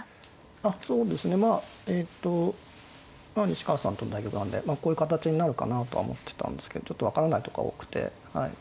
あっそうですねまあえっと西川さんとの対局なのでこういう形になるかなとは思ってたんですけどちょっと分からないとこが多くてはい。